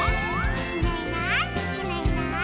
「いないいないいないいない」